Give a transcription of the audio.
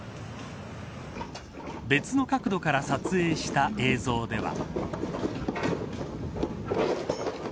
別の角度から撮影した映像では。